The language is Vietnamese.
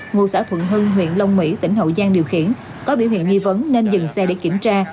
ngụ xã thuận hưng huyện long mỹ tỉnh hậu giang điều khiển có biểu hiện nghi vấn nên dừng xe để kiểm tra